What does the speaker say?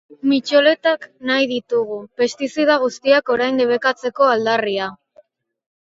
Mitxoletak nahi ditugu, pestizida guztiak orain debekatzeko aldarria.